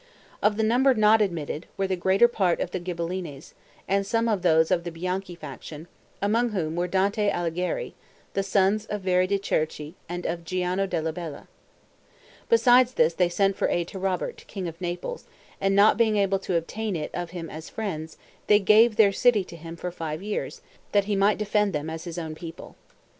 Of the number not admitted, were the greater part of the Ghibellines, and some of those of the Bianchi faction, among whom were Dante Alighieri, the sons of Veri de' Cerchi and of Giano della Bella. Besides this they sent for aid to Robert, king of Naples, and not being able to obtain it of him as friends, they gave their city to him for five years, that he might defend them as his own people.